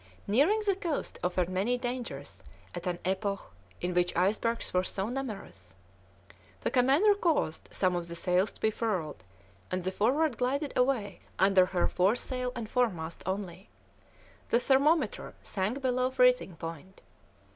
Nearing the coast offered many dangers at an epoch in which icebergs were so numerous; the commander caused some of the sails to be furled, and the Forward glided away under her foresail and foremast only. The thermometer sank below freezing point.